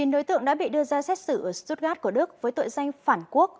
chín đối tượng đã bị đưa ra xét xử ở studgart của đức với tội danh phản quốc